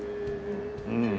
うん。